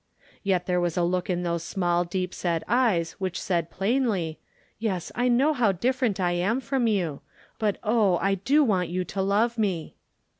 Yet there was a look in those small deep set eyes which said plainly, "Yes, I know how different I am from you, but oh, I do want you to love me."